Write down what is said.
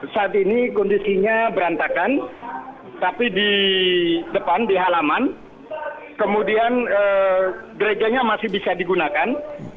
saat ini kondisinya berantakan tapi di depan di halaman kemudian gerejanya masih bisa digunakan